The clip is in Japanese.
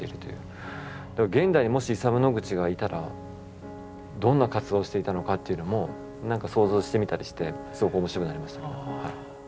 現代にもしイサム・ノグチがいたらどんな活動をしていたのかっていうのも何か想像してみたりしてすごく面白くなりましたはい。